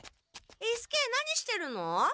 伊助何してるの？